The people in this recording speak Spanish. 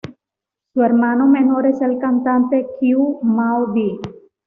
Su hermano menor es el cantante Qiu Mao Di.